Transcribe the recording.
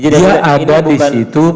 dia ada di situ